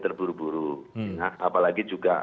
terburu buru apalagi juga